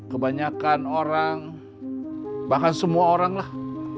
kebanyakan orang bahkan semua orang lah